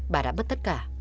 bà đã mất tất cả